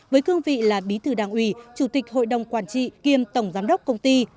với cương vị là bí thư đảng ủy chủ tịch hội đồng quản trị kiêm tổng giám đốc công ty